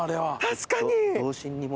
確かに。